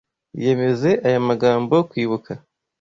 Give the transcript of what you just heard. Iyemeze aya magambo kwibuka.